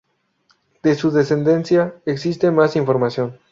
De su descendencia existe más información.